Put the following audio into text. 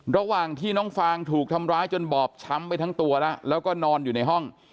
ระหว่างที่น้องฟางถูกทำร้ายจนบอบช้ำไปทั้งตัวแล้วแล้วก็นอนอยู่ในห้อง